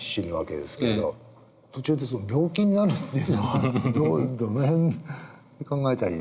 途中で病気になるっていうのはどういうどの辺で考えたらいいですかね？